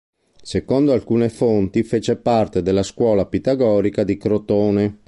Secondo alcune fonti, fece parte della scuola pitagorica di Crotone.